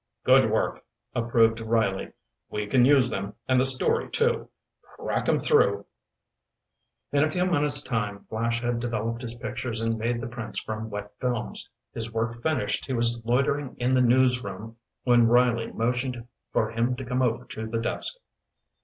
"Good work!" approved Riley. "We can use them, and the story, too. Crack 'em through." In a few minutes' time Flash had developed his pictures and made the prints from wet films. His work finished, he was loitering in the news room when Riley motioned for him to come over to the desk.